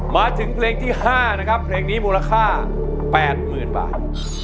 มาถึงเพลงที่๕นะครับเพลงนี้มูลค่า๘๐๐๐บาท